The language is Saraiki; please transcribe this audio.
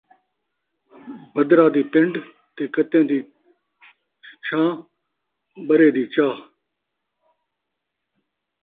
بدرا دی پِنڈ تے کتیں دی چھا، ٻرے دی چاہ